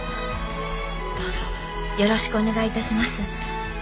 どうぞよろしくお願い致します。